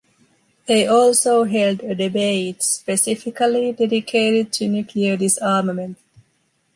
They also held a debate specifically dedicated to nuclear disarmament.